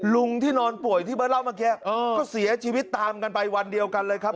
ลุงที่นอนป่วยที่เบิร์ตเล่าเมื่อกี้ก็เสียชีวิตตามกันไปวันเดียวกันเลยครับ